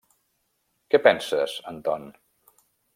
Què penses, Anton?